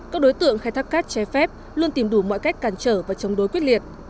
các đối tượng khai thác cát trái phép luôn tìm đủ mọi cách càn trở và chống đối quyết liệt